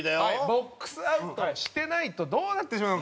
ボックスアウトをしてないとどうなってしまうのか。